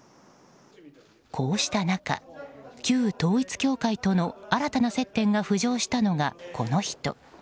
こうした中、旧統一教会との新たな接点が浮上したのがこの人。